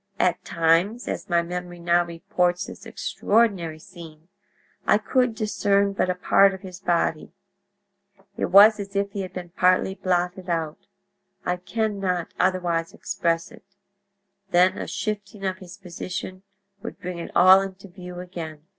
At times, as my memory now reports this extraordinary scene, I could discern but a part of his body; it was as if he had been partly blotted out—I can not otherwise express it—then a shifting of his position would bring it all into view again.